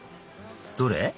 どれ？